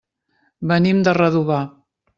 Venim de Redovà.